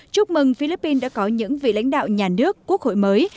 chúc mừng philippines đã có những vị lãnh đạo nhà nước quốc hội mới